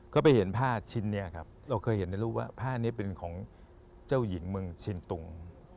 ก็ไปเห็นผ้าชิ้นนี้ครับเราเคยเห็นในรูปว่าผ้านี้เป็นของเจ้าหญิงเมืองเชียนตุง